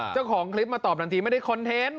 เจ้าของคลิปมาตอบทันทีไม่ได้คอนเทนต์